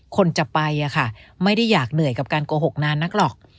คนจะไปไม่ได้อยากเหนื่อยกับการโกหกนานนักหรอก